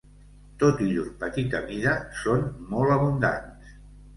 Tot i llur petita mida, són molt abundants.